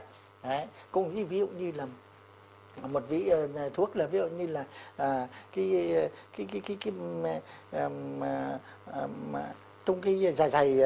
có một cái ví dụ như là một vị thuốc là ví dụ như là cái dài dài